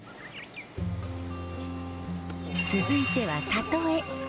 続いては里へ。